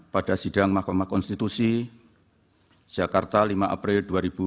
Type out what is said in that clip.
pada sidang mahkamah konstitusi jakarta lima april dua ribu dua puluh